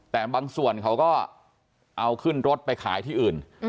แต่บางส่วนเขาก็เอาขึ้นรถไปขายที่อื่น